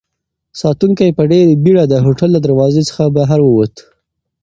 ساتونکی په ډېرې بېړه د هوټل له دروازې څخه بهر ووت.